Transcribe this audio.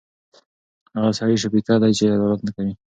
هغه سړی شقیه دی چې عدالت نه کوي.